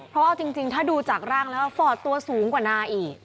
เพราะเอาจริงถ้าดูจากร่างแล้วฟอร์ดตัวสูงกว่านาอีก